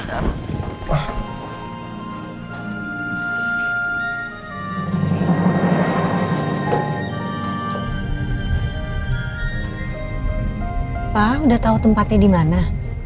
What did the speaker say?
ini kita udah tau tempatnya dimana